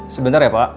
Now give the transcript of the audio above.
sebentar ya pak